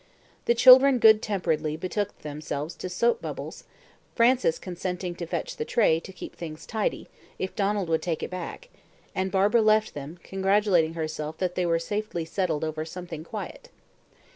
The children good temperedly betook themselves to "soap bubbles," Frances consenting to fetch the tray "to keep things tidy" if Donald would take it back; and Barbara left them, congratulating herself that they were safely settled over something quiet.